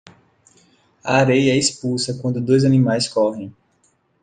A areia é expulsa quando dois animais correm